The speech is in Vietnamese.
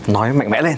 nói mạnh mẽ lên